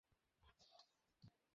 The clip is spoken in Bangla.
অফিস থেকে টেলিফোন করে জানিয়েছে।